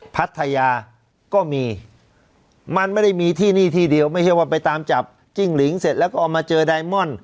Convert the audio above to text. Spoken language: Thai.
พัทยาก็มีมันไม่ได้มีที่นี่ที่เดียวไม่ใช่ว่าไปตามจับจิ้งหลิงเสร็จแล้วก็เอามาเจอไดมอนด